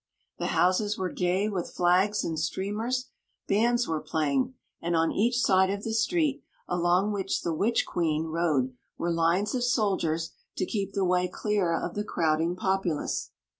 The houses were gay with flags and streamers; bands were playing; and on each side of the street along which the witch queen rode were lines of soldiers to keep the way clear of the crowding populace.